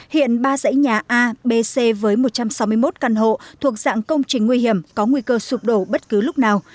hiện ba dãy nhà a b c với một trăm sáu mươi một căn hộ thuộc dạng công trình nguy hiểm có nguy cơ sụp đổ bất cứ lúc nào